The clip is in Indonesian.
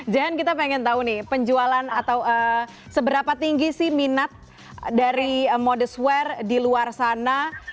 jane kita pengen tahu nih penjualan atau seberapa tinggi sih minat dari modest wear di luar sana